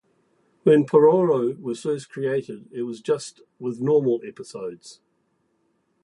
When Pororo was first created, it was just with normal episodes.